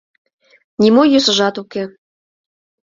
Нимо йӧсыжат уке.